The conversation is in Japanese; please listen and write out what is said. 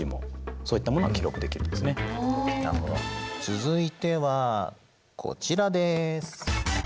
続いてはこちらです。